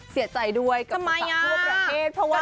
เสียใจด้วยกับตังค์พวกประเทศเพราะว่าทำไมอ่ะ